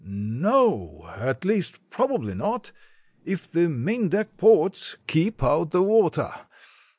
"No, at least probably not, if the maindeck ports keep out the water.